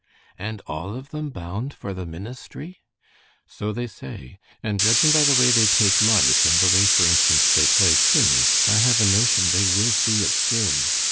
"And all of them bound for the ministry?" "So they say. And judging by the way they take life, and the way, for instance, they play shinny, I have a notion they will see it through."